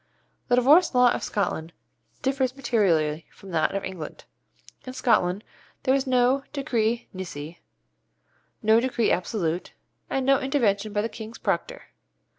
The Divorce Law of Scotland differs materially from that of England. In Scotland there is no decree nisi, no decree absolute, and no intervention by the King's Proctor.